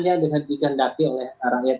yang dihentikan daki oleh rakyat